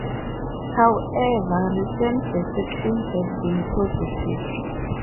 However, recent reception has been positive.